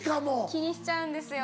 気にしちゃうんですよ。